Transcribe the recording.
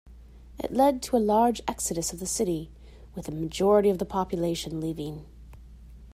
It led to a large exodus of the city, with a majority of the population leaving.